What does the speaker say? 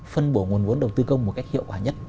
phân bổ nguồn vốn đầu tư công một cách hiệu quả nhất